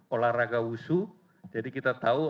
olahraga wusu jadi kita tahu